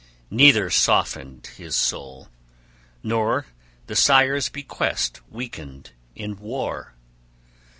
Neither softened his soul, nor the sire's bequest weakened in war.